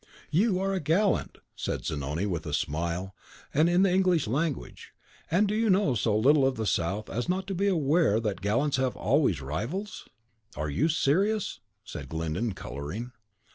"You are a gallant," said Zanoni, with a smile, and in the English language, "and do you know so little of the South as not to be aware that gallants have always rivals?" "Are you serious?" said Glyndon, colouring.